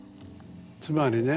つまりね。